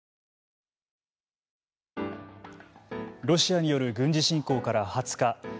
ロシアによる軍事侵攻から２０日。